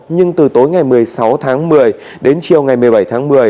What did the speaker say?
nhưng từ tối ngày một mươi sáu tháng một mươi đến chiều ngày một mươi bảy tháng một mươi